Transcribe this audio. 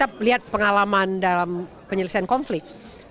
kalau kita melihat pengalaman dalam penyelesaian konflik